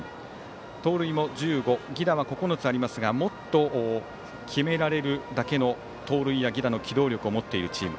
盗塁も１５犠打は９つありますがもっと決められるだけの盗塁や犠打の機動力を持っているチーム。